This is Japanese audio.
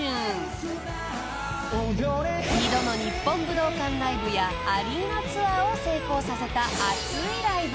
［二度の日本武道館ライブやアリーナツアーを成功させた熱いライブ。